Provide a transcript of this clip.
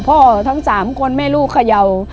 พ่อทั้ง๓คนแม่ลูกขย่าว